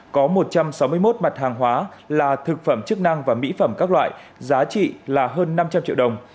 có một trăm sáu mươi một mặt hàng hóa là thực phẩm chức năng và mỹ phẩm các loại giá trị là hơn năm trăm linh triệu đồng